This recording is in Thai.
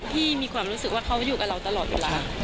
มีความรู้สึกว่าเขาอยู่กับเราตลอดเวลา